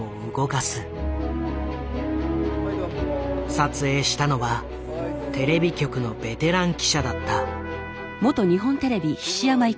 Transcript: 撮影したのはテレビ局のベテラン記者だった。